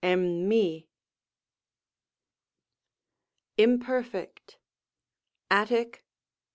« Imperfect. ATTIC.